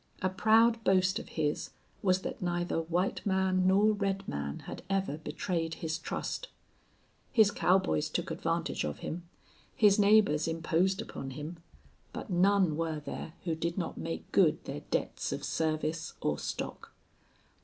A proud boast of his was that neither white man nor red man had ever betrayed his trust. His cowboys took advantage of him, his neighbors imposed upon him, but none were there who did not make good their debts of service or stock.